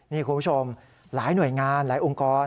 นี่คุณผู้ชมหลายหน่วยงานหลายองค์กร